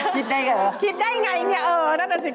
คิดได้ไงคิดได้ไงเนี่ยเออนั่นแหละสิ